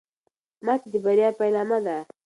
ماتې د بریا پیلامه ده.